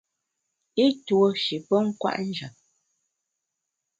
I tuo shi pe kwet njap.